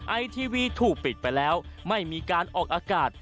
ไอทีวีถูกปิดไปแล้วไม่มีการออกอากาศ